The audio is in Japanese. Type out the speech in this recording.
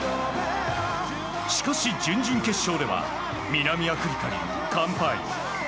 しかし、準々決勝では南アフリカに完敗。